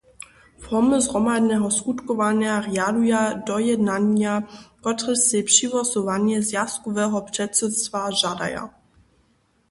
Formy zhromadneho skutkowanja rjaduja dojednanja, kotrež sej přihłosowanje zwjazkoweho předsydstwa žadaja.